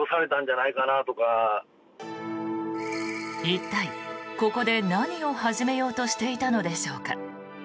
一体ここで何を始めようとしていたのでしょうか。